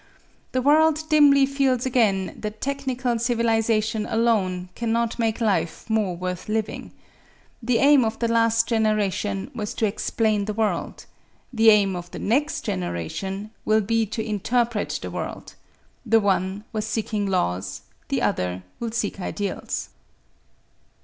The world dimly feels again that technical civilization alone cannot make life more worth living. The aim of the last generation was to explain the world; the aim of the next generation will be to interpret the world; the one was seeking laws, the other will seek ideals.